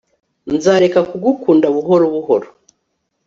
Nzareka kugukunda buhoro buhoro